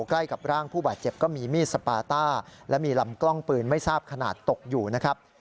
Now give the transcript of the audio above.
ใกล้กับร่างผู้บาดเจ็บก็มีมีดสปาต้าและมีลำกล้องปืนไม่ทราบขนาดตกอยู่นะครับ